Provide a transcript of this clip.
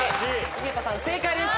井桁さん正解です！